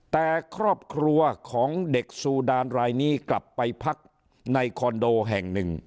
แต่ครอบครัวของเด็กซูดานรายนี้กลับไปพักในคอนโดแห่งหนึ่ง